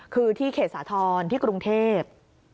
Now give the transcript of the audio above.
คือที่เขตสาธรณ์ที่กรุงเทพ